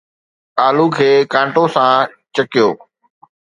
آلو کي ڪانٽو سان ڇڪيو